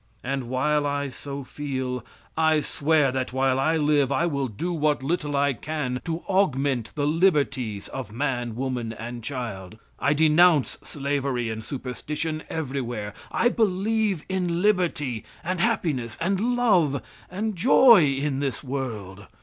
And, while I so feel, I swear that while I live I will do what little I can to augment the liberties of man, woman and child. I denounce slavery and superstition everywhere. I believe in liberty, and happiness, and love, and joy in this world.